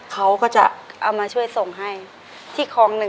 ในแคมเปญพิเศษเกมต่อชีวิตโรงเรียนของหนู